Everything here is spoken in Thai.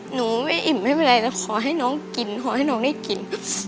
หนูไม่อิ่มไม่เป็นไรนะขอให้น้องกินขอให้น้องได้กิน